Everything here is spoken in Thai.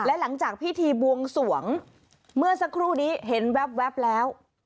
และหลังจากพิธีบวงสวงเมื่อสักครู่นี้เห็นแว๊บแล้ว